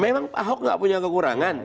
memang pak ahok nggak punya kekurangan